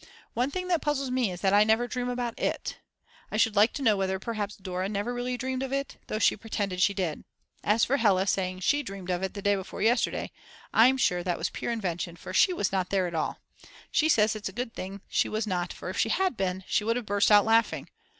One thing that puzzles me is that I never dream about it. I should like to know whether perhaps Dora never really dreamed of it, though she pretended she did. As for Hella saying she dreamed of it the day before yesterday, I'm sure that was pure invention, for she was not there at all. She says it's a good thing she was not for if she had been she would have burst out laughing.